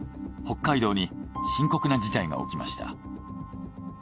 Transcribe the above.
北海道に深刻な事態が起きました。